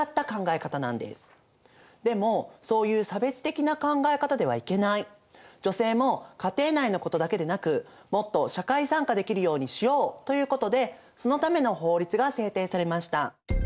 でもそういう差別的な考え方ではいけない女性も家庭内のことだけでなくもっと社会参加できるようにしようということでそのための法律が制定されました。